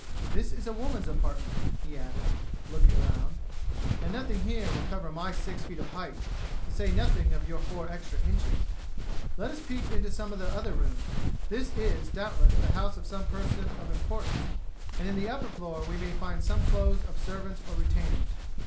This is a woman's apartment," he added, looking round, "and nothing here will cover my six feet of height, to say nothing of your four inches extra. Let us peep into some of the other rooms. This is, doubtless, the house of some person of importance, and in the upper floor we may find some clothes of servants or retainers."